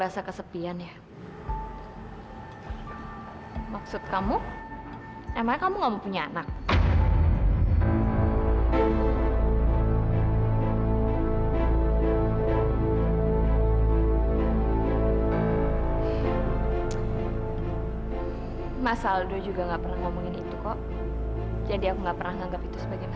sampai jumpa di video selanjutnya